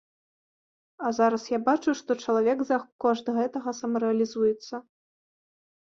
А зараз я бачу, што чалавек за кошт гэтага самарэалізуецца.